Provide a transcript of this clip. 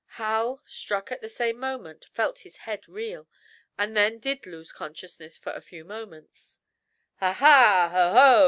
Hal, struck at the same moment, felt his head reel, and then did lose consciousness for a few moments. "Ha, ha!